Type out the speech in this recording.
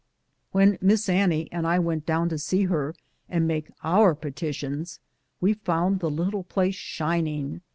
When "Miss Annie" and I went down to see her and make our petitions, we found the little place shining.